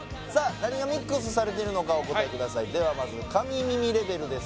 何がミックスされているのかお答えくださいではまず神耳レベルです